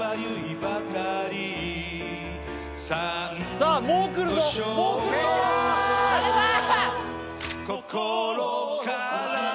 さあもうくるぞもうくるぞ伊達さん！